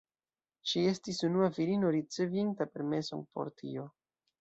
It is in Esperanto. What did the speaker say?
Ŝi estis unua virino ricevinta permeson por tio.